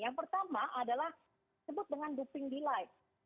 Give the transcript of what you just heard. yang pertama adalah sebut dengan doping delight